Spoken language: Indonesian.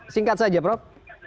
singkat saja prof